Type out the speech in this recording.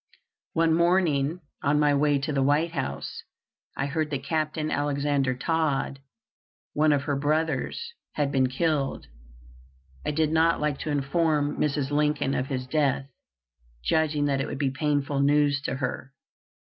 One morning, on my way to the White House, I heard that Captain Alexander Todd, one of her brothers, had been killed. I did not like to inform Mrs. Lincoln of his death, judging that it would be painful news to her.